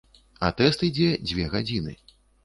А тэст ідзе дзве гадзіны.